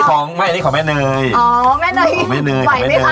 ทำไมไม่รอให้แม่งมันสุกอีกนิดหนึ่ง